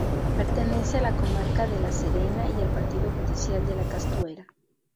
Pertenece a la comarca de La Serena y al Partido judicial de Castuera.